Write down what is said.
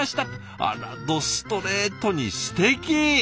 あらどストレートにすてき！